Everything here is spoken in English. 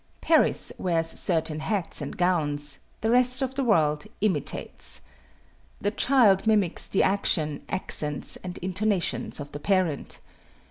Paris wears certain hats and gowns; the rest of the world imitates. The child mimics the actions, accents and intonations of the parent.